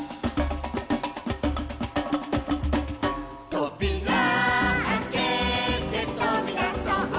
「とびらあけてとびだそう」